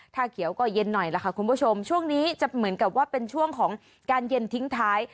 ถ้าเขียวก็เย็นหน่อยล่ะค่ะคุณผู้ชมช่วงนี้จะเหมือนกับว่าเป็นช่วงของการเย็นทิ้งท้าย